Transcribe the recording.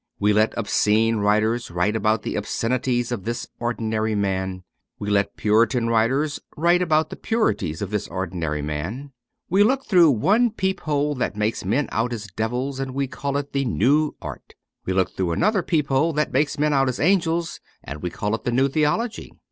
We let obscene writers write about the obscenities of this ordinary man. We let puritan writers write about the purities of this ordinary man. We look through one peephole that makes men out as devils, and we call it the New Art. We look through another peephole that makes men out as angels, and we call it the New Theology.